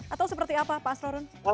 atau seperti apa pak astro run